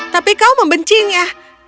tapi kau membencinya